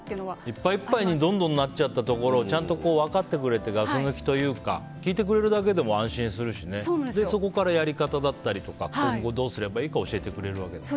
いっぱいいっぱいになっちゃったところをちゃんと分かってくれてガス抜きというか聞いてくれるだけでも安心するしそこからやり方だったりとか今後どうすればいいかを教えてくれるわけだ。